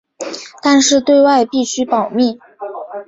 但是对外必须保密。